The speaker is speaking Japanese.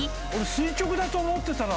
垂直だと思ってた。